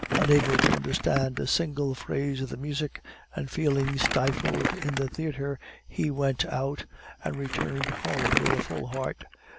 Unable to understand a single phrase of the music, and feeling stifled in the theatre, he went out, and returned home with a full heart.